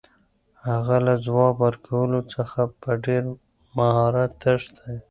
هغه له ځواب ورکولو څخه په ډېر مهارت تښتي.